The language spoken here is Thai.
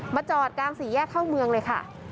จอดกลางสี่แยกเข้าเมืองเลยค่ะ